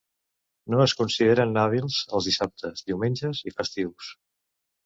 No es consideren hàbils els dissabtes, diumenges i festius.